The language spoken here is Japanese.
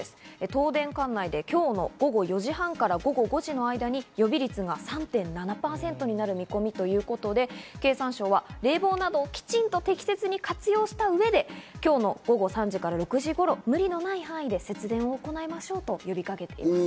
東電管内で今日の午後４時半から午後５時の間に、予備率が３．７％になる見込みということで、経産省は冷房などを適切に活用した上で、今日の午後３時から６時頃、無理のない範囲で節電を行いましょうと呼びかけています。